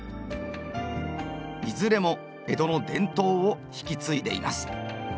いずれも江戸の伝統を引き継いでいます。